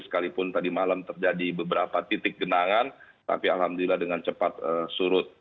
sekalipun tadi malam terjadi beberapa titik genangan tapi alhamdulillah dengan cepat surut